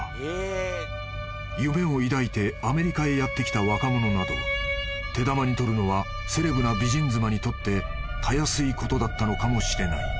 ［夢を抱いてアメリカへやって来た若者など手玉に取るのはセレブな美人妻にとってたやすいことだったのかもしれない］